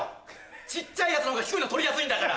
小っちゃいヤツのほうが低いの取りやすいんだから。